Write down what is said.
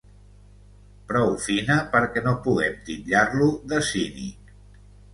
prou fina perquè no poguem titllar-lo de cínic